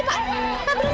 mbak mbak mbak